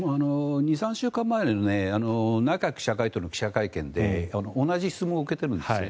２３週間前の内閣の記者会見で同じ質問を受けているんです。